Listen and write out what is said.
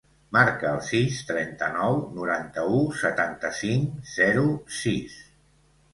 Marca el sis, trenta-nou, noranta-u, setanta-cinc, zero, sis.